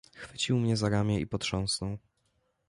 "Chwycił mnie za ramię i potrząsnął."